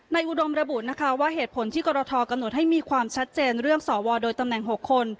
อุดมระบุนะคะว่าเหตุผลที่กรทกำหนดให้มีความชัดเจนเรื่องสวโดยตำแหน่ง๖คน